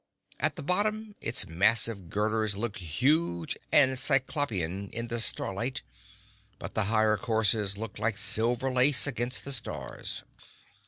At the bottom its massive girders looked huge and cyclopean in the starlight, but the higher courses looked like silver lace against the stars.